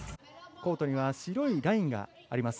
コートには白いラインがあります。